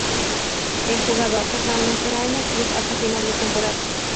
El jugador permanecerá en el club hasta final de temporada.